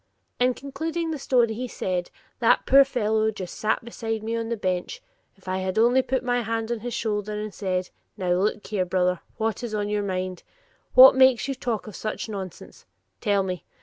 In concluding the story he said; "That poor fellow sat just beside me on my bench; if I had only put my hand on his shoulder and said, 'Now, look here, brother, what is on your mind? What makes you talk such nonsense? Tell me.